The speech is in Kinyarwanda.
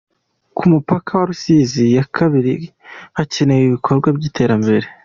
Ku mupaka wa Rusizi ya kabiri hakenewe ibikorwa by’iterambere.